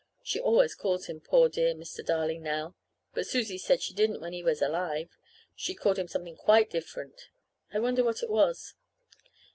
(She always calls him poor dear Mr. Darling now, but Susie says she didn't when he was alive; she called him something quite different. I wonder what it was.)